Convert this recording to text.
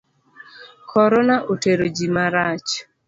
Korona otero ji marach.